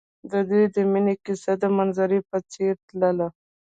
د دوی د مینې کیسه د منظر په څېر تلله.